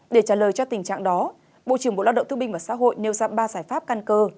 để trả lời cho tình trạng đó bộ trưởng bộ lao động thương binh và xã hội nêu ra ba giải pháp căn cơ